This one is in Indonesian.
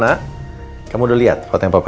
jangan lupa like share dan subscribe